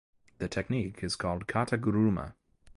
The technique is called Kata guruma.